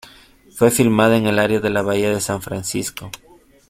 Fue filmada en el área de la Bahía de San Francisco.